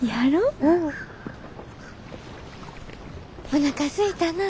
おなかすいたな。